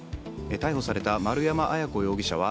逮捕された丸山文子容疑者は